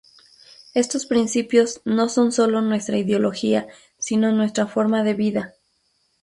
Estos principios no son sólo nuestra ideología sino nuestra forma de vida.